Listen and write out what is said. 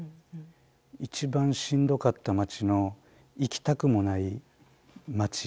一番しんどかった街の行きたくもない街。